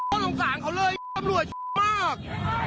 ก็ลงส่างเขาเลยตำรวจมาก